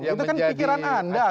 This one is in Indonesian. itu kan pikiran anda